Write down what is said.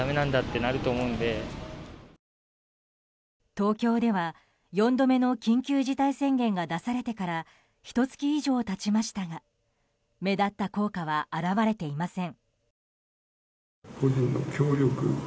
東京では４度目の緊急事態宣言が出されてからひと月以上経ちましたが目立った効果は表れていません。